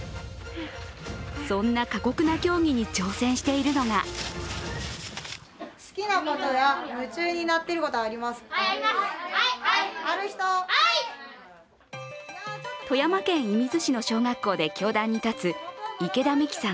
そんな過酷な競技に挑戦しているのが富山県射水市の小学校で教壇に立つ池田美貴さん